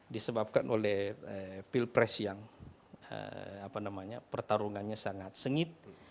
disebabkan oleh pilpres yang pertarungannya sangat sengit